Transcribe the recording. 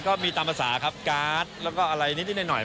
ก็มีตามภาษาครับการ์ดแล้วก็อะไรนิดหน่อย